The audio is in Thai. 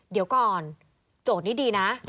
เดี๋ยวก่อนโจทย์นี้ดีนะ